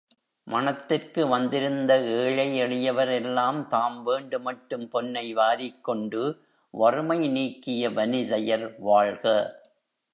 மணத் திற்கு வந்திருந்த ஏழை எளியவரெல்லாம் தாம் வேண்டு மட்டும் பொன்னை வாரிக்கொண்டு, வறுமை நீக்கிய வனிதையர் வாழ்க!